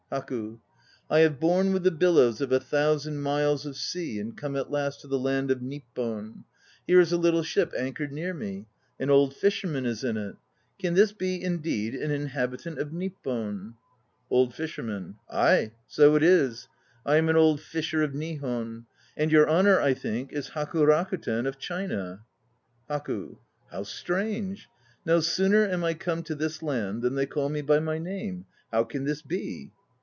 HAKU. I have borne with the billows of a thousand miles of sea and come at last to the land of Nippon. Here is a little ship anchored near me. An old fisherman is in it. Can this be indeed an inhabitant of Nippon? OLD FISHERMAN. Aye, so it is. I am an old fisher of Nihon. And your Honour, I think, is Haku Rakuten, of China. HAKU. How strange! No sooner am I come to this land than they call me by my name! How can this be?